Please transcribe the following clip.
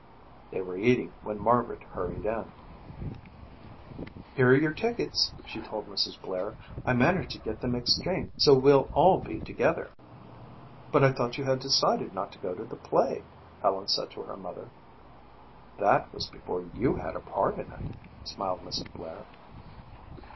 They were eating when Margaret hurried in. "Here are your tickets," she told Mrs. Blair. "I managed to get them exchanged so we'll all be together." "But I thought you had decided not to go to the play?" Helen said to her mother. "That was before you had a part in it," smiled Mrs. Blair.